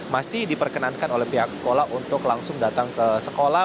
masih diperkenankan oleh pihak sekolah untuk langsung datang ke sekolah